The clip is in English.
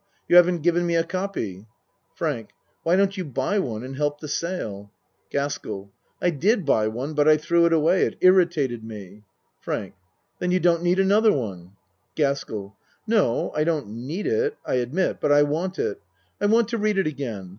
You haven't given me a copy. FRANK Why don't you buy one and help the sale? GASKELL I did buy one but I threw it away it irritated me. FRANK Then you don't need another one. GASKELL No I don't need it I admit, but I want it. I want to read it again.